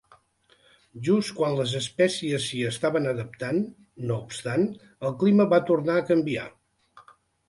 Just quan les espècies s'hi estaven adaptant, no obstant, el clima va tornar a canviar.